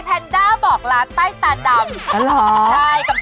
ช่วงม่าบ้านติดเตรด